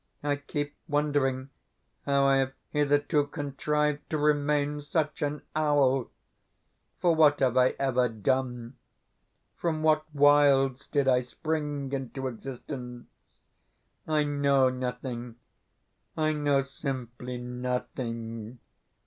I keep wondering how I have hitherto contrived to remain such an owl. For what have I ever done? From what wilds did I spring into existence? I KNOW nothing I know simply NOTHING.